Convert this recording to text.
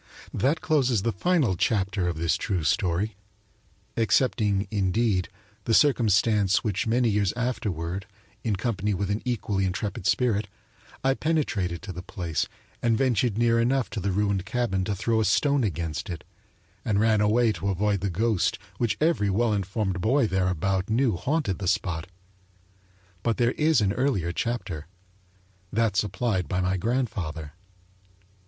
That closes the final chapter of this true story excepting, indeed, the circumstance that many years afterward, in company with an equally intrepid spirit, I penetrated to the place and ventured near enough to the ruined cabin to throw a stone against it, and ran away to avoid the ghost which every well informed boy thereabout knew haunted the spot. But there is an earlier chapter that supplied by my grandfather.